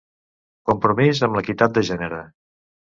"Compromís amb l'equitat de gènere"